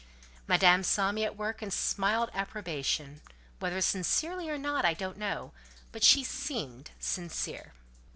Madame saw me at work and smiled approbation: whether sincerely or not I don't know; but she seemed sincere.